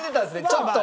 ちょっと。